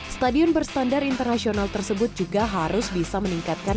stadion berstandar internasional tersebut juga harus bisa meningkatkan